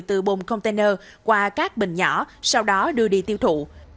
từ bồng container qua các bình nhỏ sau đó đưa đi tiêu thụ